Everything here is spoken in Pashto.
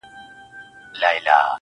ستا خيال وفكر او يو څو خـــبـــري,